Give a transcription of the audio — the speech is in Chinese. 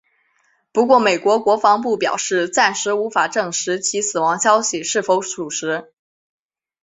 不过美国国防部表示暂时无法证实其死亡消息是否属实。